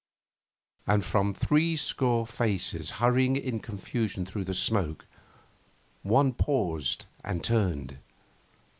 And from threescore faces hurrying in confusion through the smoke, one paused and turned.